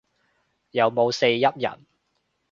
有冇四邑人